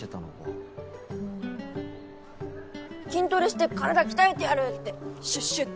「筋トレして体鍛えてやる！」って「シュッシュ！」って。